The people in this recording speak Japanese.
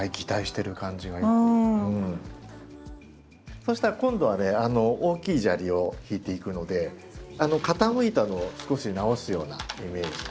そうしたら今度はね大きい砂利をひいていくので傾いたのを少し直すようなイメージで。